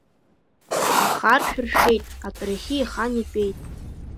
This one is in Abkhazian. Ахаршә ршәеит, атәарахьы еихан, итәеит…